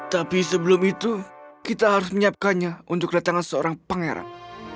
tapi sebelum itu kita harus menyiapkannya untuk kedatangan seorang pangeran